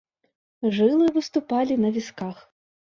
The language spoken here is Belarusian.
Жылы выступалі на вісках.